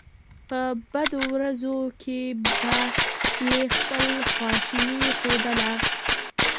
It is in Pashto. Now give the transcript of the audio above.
په بدو ورځو کې به یې خپله خواشیني ښودله.